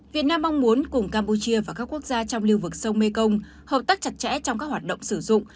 việt nam mong muốn cùng campuchia và các quốc gia trong lưu vực sông mekong hợp tác chặt chẽ trong các hoạt động sử dụng